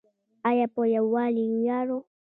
آیا په یوالي ویاړو؟